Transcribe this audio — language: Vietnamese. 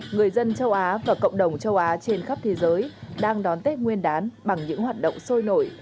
người dân châu á và cộng đồng châu á trên khắp thế giới đang đón tết nguyên đán bằng những hoạt động sôi nổi